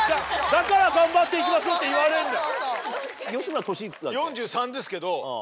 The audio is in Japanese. だから「頑張っていきましょう！」って言われるんだよ。